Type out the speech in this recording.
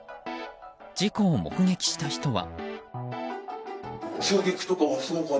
事故を目撃した人は。